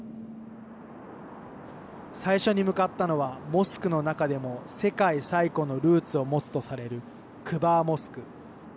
最初に向かったのはモスクの中でも世界最古のルーツを持つとされるクバーモスク。